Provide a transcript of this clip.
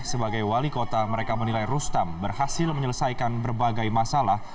sebagai wali kota mereka menilai rustam berhasil menyelesaikan berbagai masalah